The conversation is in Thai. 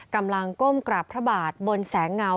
กำลังก้มกราบพระบาทบนแสงเงา